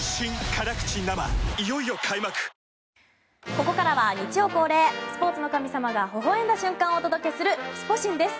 ここからは日曜恒例スポーツの神様がほほ笑んだ瞬間をお届けするスポ神です。